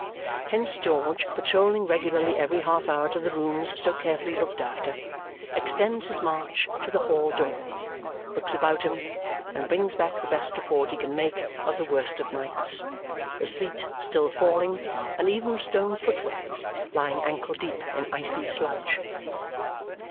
Hence George, patrolling regularly every half hour to the rooms so carefully looked after, extends his march to the hall door, looks about him, and brings back the best report he can make of the worst of nights, the sleet still falling and even the stone footways lying ankle deep in icy sludge.